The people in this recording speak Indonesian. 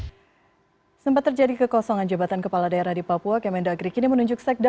hai sempat terjadi kekosongan jabatan kepala daerah di papua kemendagri kini menunjuk sekda